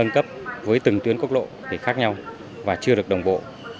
các tuyến quốc lộ khác nhau và chưa được đồng bộ